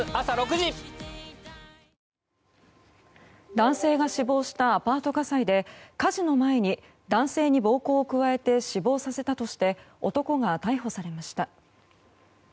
男性が死亡したアパート火災で火事の前に、男性に暴行を加えて死亡させたとして男が逮捕されました。